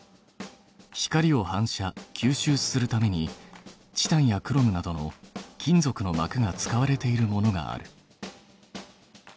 光を反射吸収するためにチタンやクロムなどの金属のまくが使われているものがある。